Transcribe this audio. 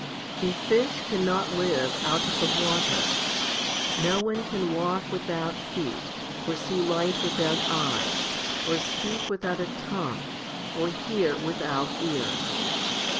10. A fish cannot live out of the water ; no one can walk without feet, or see light without eyes, or speak without a tongue, or hear without ears.